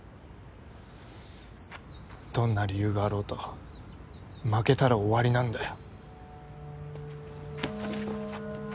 どんな理由があろうと負けたら終わりなんだよ。